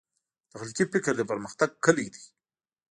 تخلیقي فکر د پرمختګ کلي دی.